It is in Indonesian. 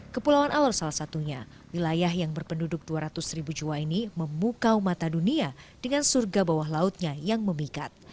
kepulauan alor salah satunya wilayah yang berpenduduk dua ratus ribu jiwa ini memukau mata dunia dengan surga bawah lautnya yang memikat